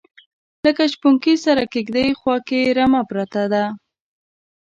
لکه شپونکي سره کیږدۍ خواکې رمه پرته ده